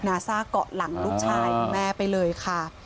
นาซาก็หลังลูกชายของแม่ไปเลยค่ะ